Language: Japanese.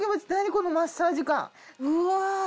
何このマッサージ感うわ。